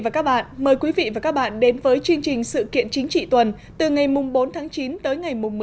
cảm ơn các bạn đã theo dõi